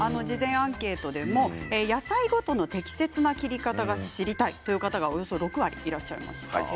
事前アンケートでも野菜ごとの適切な切り方が知りたいという方がおよそ６割いらっしゃいました。